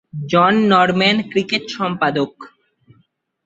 জন Norman cricket সম্পাদক।